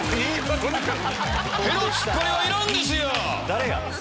誰や？